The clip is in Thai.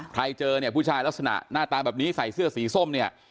ใครเจอผู้ชายรักษณะหน้าตาแบบนี้ใส่เสื้อสีส้ม